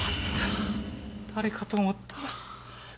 誰かと思ったら。